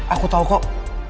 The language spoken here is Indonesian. aku tau kok